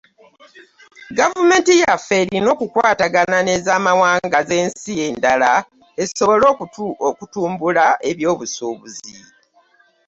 Gavumenti yaffe erina okukwatagana n'eza mawanga z'ensi endala esobole okutumbula eby'obusubuzi.